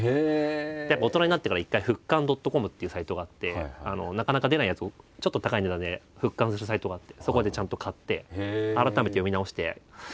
やっぱ大人になってから一回「復刊ドットコム」というサイトがあってなかなか出ないやつをちょっと高い値段で復刊したサイトがあってそこでちゃんと買って。